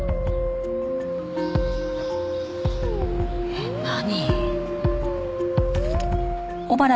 えっ？何？